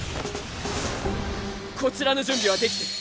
こちらの準備はできてる。